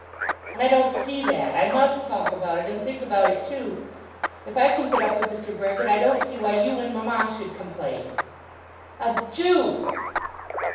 "I don't see that. I must talk about it, and think about it too. If I can put up with Mr. Brehgert I don't see why you and mamma should complain." "A Jew!"